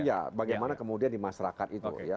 iya bagaimana kemudian di masyarakat itu ya